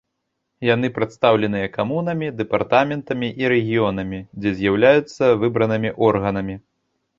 Яны прадстаўленыя камунамі, дэпартаментамі і рэгіёнамі, дзе з'яўляюцца выбранымі органамі.